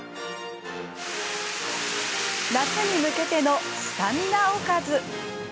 夏に向けてのスタミナおかず。